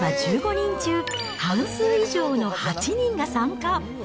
この日は１５人中、半数以上の８人が参加。